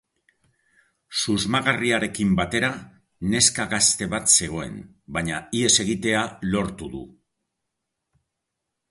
Susmagarriarekin batera neska gazte bat zegoen, baina ihes egitea lortu du.